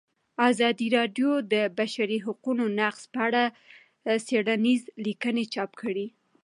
ازادي راډیو د د بشري حقونو نقض په اړه څېړنیزې لیکنې چاپ کړي.